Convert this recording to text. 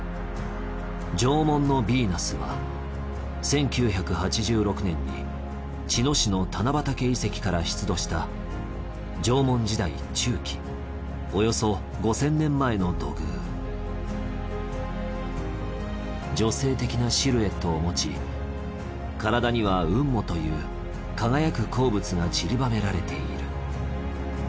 縄文のビーナスは１９８６年に茅野市の棚畑遺跡から出土した縄文時代中期およそ５０００年前の土偶女性的なシルエットをもち体には雲母という輝く鉱物がちりばめられている。